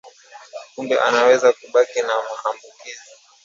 Kupe anaweza kubaki na maambukizi